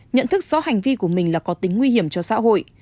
nhận thức rõ hành vi của mình là có tính nguy hiểm cho xã hội